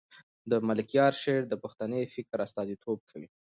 د ملکیار شعر د پښتني فکر استازیتوب کوي.